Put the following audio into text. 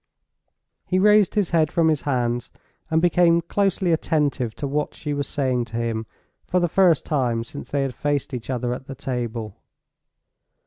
He raised his head from his hands, and became closely attentive to what she was saying to him, for the first time since they had faced each other at the table.